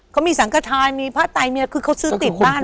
เขามีสังกะทายมีพ่อก์ไตมีอะไรคือเขาซื้อติดบ้าน